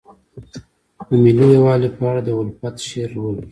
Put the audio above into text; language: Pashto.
د ملي یووالي په اړه د الفت شعر لولئ.